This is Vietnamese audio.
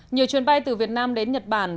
nhiều chuyến bay từ việt nam đến nhật bản